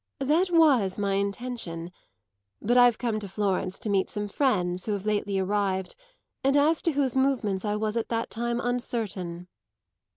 That was my intention. But I've come to Florence to meet some friends who have lately arrived and as to whose movements I was at that time uncertain."